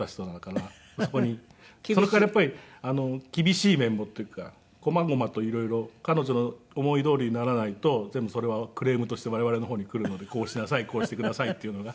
それからやっぱり厳しい面もというかこまごまと色々彼女の思いどおりにならないと全部それはクレームとして我々の方に来るのでこうしなさいこうしてくださいっていうのが。